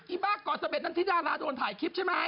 บ้าก่อน๑๑นั้นที่ดาราโดนถ่ายคลิปใช่ไหม